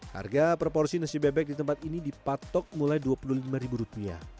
harga proporsi nasi bebek di tempat ini dipatok mulai dua puluh lima ribu rupiah